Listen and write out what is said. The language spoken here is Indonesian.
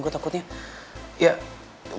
gue takutnya ya gue gak enak sama yang lain aja